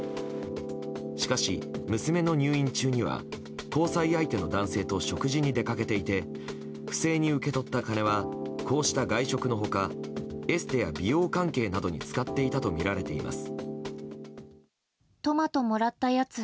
しかし、娘の入院中には交際相手の男性と食事に出かけていて不正に受け取った金はこうした外食の他エステや美容関係などに使っていたとみられています。